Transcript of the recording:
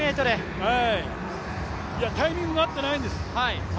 タイミングが合っていないんです。